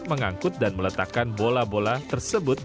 mengangkut dan meletakkan bola bola tersebut